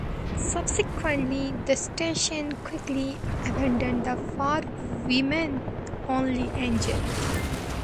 Subsequently, the station quickly abandoned the 'for women only' angle.